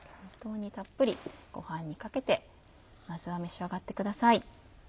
たっぷりご飯にかけてまずは召し上がってください。